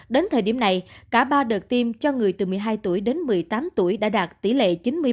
đến thời điểm này cả ba đợt tiêm cho người từ một mươi hai tuổi đến một mươi tám tuổi đã đạt tỷ lệ chín mươi ba